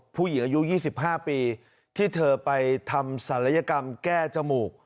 ผู้หญิงอายุยี่สิบห้าปีที่เธอไปทำศรัยกรรมแก้จมูก